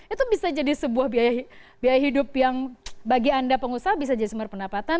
itu bisa jadi sebuah biaya hidup yang bagi anda pengusaha bisa jadi sumber pendapatan